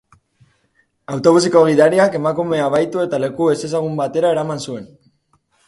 Autobuseko gidariak emakumea bahitu eta leku ezezagun batera eraman zuen.